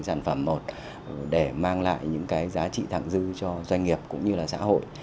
sản phẩm một để mang lại những cái giá trị thẳng dư cho doanh nghiệp cũng như là xã hội